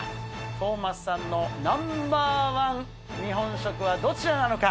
トーマスさんのナンバー１日本食はどちらなのか。